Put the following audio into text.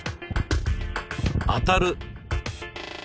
当たる！